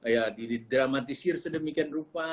ya didramatisir sedemikian rupa